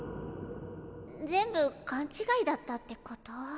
全部かんちがいだったってこと？